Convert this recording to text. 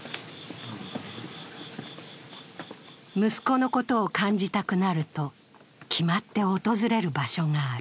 息子のことを感じたくなると決まって訪れる場所がある。